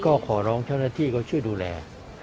อันนี้ก็ขอร้องเจ้าน้าที่เข้าช่วยดูแล